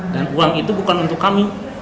dan uang itu bukan untuk kami